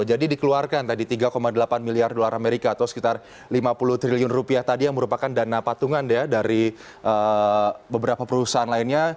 jadi dikeluarkan tadi tiga delapan miliar usd atau sekitar lima puluh triliun rupiah tadi yang merupakan dana patungan dari beberapa perusahaan lainnya